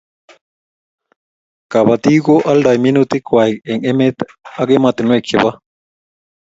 Kabatik ko aldoi minutik kwai eng' emet ak ematinwek che bo